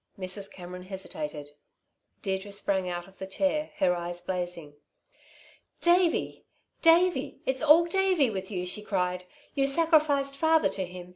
Mrs. Cameron hesitated. Deirdre sprang out of the chair, her eyes blazing. "Davey! Davey! It's all Davey with you!" she cried. "You sacrificed father to him.